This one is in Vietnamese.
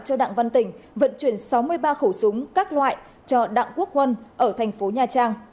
cho đặng văn tỉnh vận chuyển sáu mươi ba khẩu súng các loại cho đặng quốc huân ở tp hcm